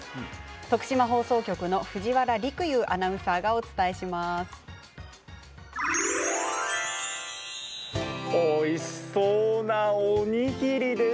徳島放送局の藤原陸遊アナウンサーがお伝えします。